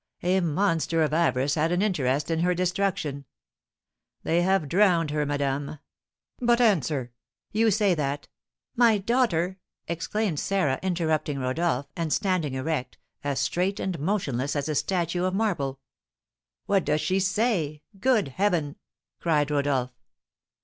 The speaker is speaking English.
"A monster of avarice had an interest in her destruction. They have drowned her, madame! But answer! You say that " "My daughter!" exclaimed Sarah, interrupting Rodolph, and standing erect, as straight and motionless as a statue of marble. "What does she say? Good heaven!" cried Rodolph.